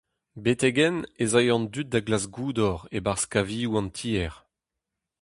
Betek-henn ez ae an dud da glask goudor e-barzh kavioù an tiez.